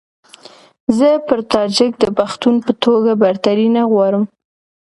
زه پر تاجک د پښتون په توګه برتري نه غواړم.